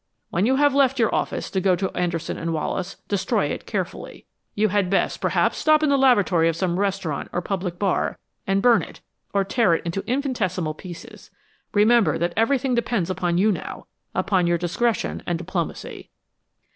When you have left your office to go to Anderson & Wallace, destroy it carefully. You had best, perhaps, stop in the lavatory of some restaurant or public bar and burn it, or tear it into infinitesimal pieces. Remember that everything depends upon you now upon your discretion and diplomacy."